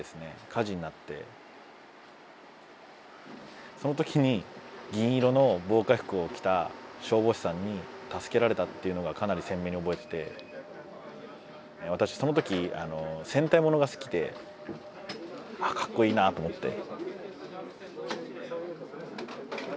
火事になってその時に銀色の防火服を着た消防士さんに助けられたっていうのがかなり鮮明に覚えてて私その時戦隊モノが好きでああかっこいいなと思って。